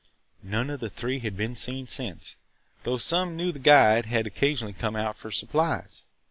None of the three had been seen since, though some knew the guide had occasionally come out for supplies.